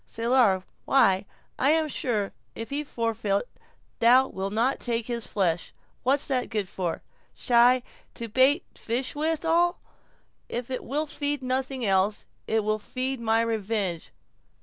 "Salar.—Why, I am sure, if he forfeit, thou wilt not take his flesh; what's that good for? Shy.—To bait fish withal; if it will feed nothing else, it will feed my revenge."